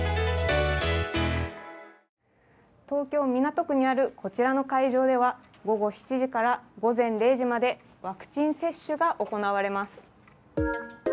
東京・港区にあるこちらの会場では午後７時から午前０時までワクチン接種が行われます。